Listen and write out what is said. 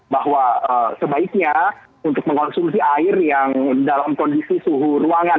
bahwa sebaiknya untuk mengkonsumsi air yang dalam kondisi suhu ruangan